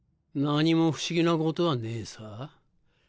何も不思議なことはねえさ。